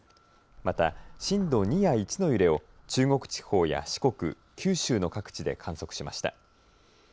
また震度２や１の揺れを中国地方や四国、九州の各地で観測しました。